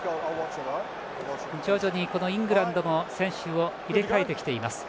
徐々にイングランドも選手を入れ替えてきています。